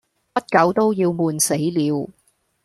不久都要悶死了，